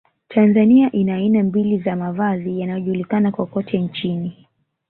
Tanzania ina aina mbili za mavazi yanayojulikana kokote nchini